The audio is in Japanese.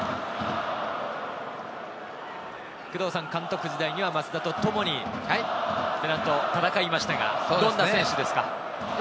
工藤さん、監督時代には松田とともにペナントを戦いましたが、どんな選手ですか？